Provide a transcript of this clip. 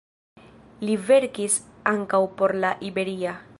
Li verkis ankaŭ por "La Iberia".